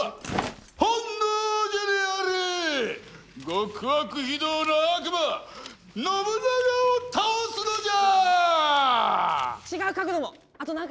極悪非道の悪魔信長を倒すのじゃ！